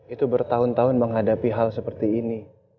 itu bertahun tahun menghadapi hal seperti ini